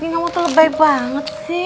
kamu tuh lebay banget sih